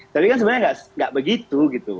tapi kan sebenarnya nggak begitu gitu